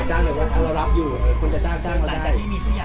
ถ้าใครจะมาจับกล้องไม่มีผิดปัญหา